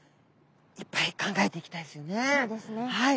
はい。